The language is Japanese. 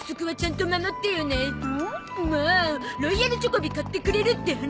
んもロイヤルチョコビ買ってくれるって話。